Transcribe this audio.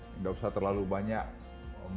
tidak usah terlalu banyak